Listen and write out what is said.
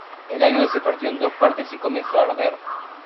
El avión se partió en dos partes y comenzó a arder.